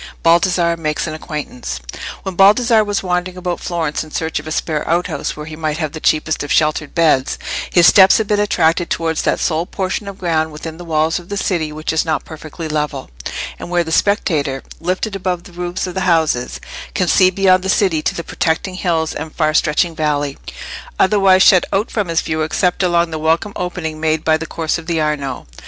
Baldassarre makes an Acquaintance. When Baldassarre was wandering about Florence in search of a spare outhouse where he might have the cheapest of sheltered beds, his steps had been attracted towards that sole portion of ground within the walls of the city which is not perfectly level, and where the spectator, lifted above the roofs of the houses, can see beyond the city to the protecting hills and far stretching valley, otherwise shut out from his view except along the welcome opening made by the course of the Arno.